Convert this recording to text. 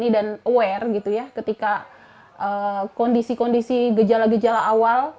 dan aware gitu ya ketika kondisi kondisi gejala gejala awal